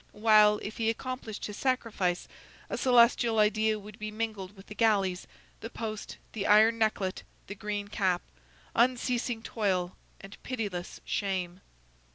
while, if he accomplished his sacrifice, a celestial idea would be mingled with the galleys, the post, the iron necklet, the green cap, unceasing toil, and pitiless shame.